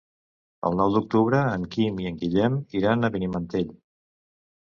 El nou d'octubre en Quim i en Guillem iran a Benimantell.